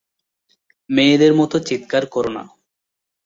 মেয়েদের মতো চিৎকার করো না।